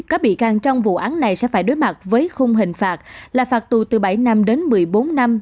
các bị can trong vụ án này sẽ phải đối mặt với khung hình phạt là phạt tù từ bảy năm đến một mươi bốn năm